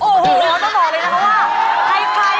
อ๋อสุดยอดเลยใช่ไหมคะ